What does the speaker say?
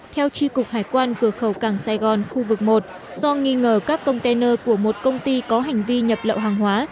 theo tri cục hải quan cửa khẩu cảng sài gòn khu vực một do nghi ngờ các container của một công ty có hành vi nhập lậu hàng hóa